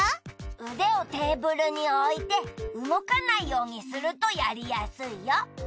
腕をテーブルに置いて動かないようにするとやりやすいよ。